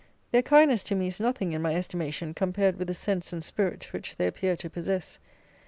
Their kindness to me is nothing in my estimation compared with the sense and spirit which they appear to possess.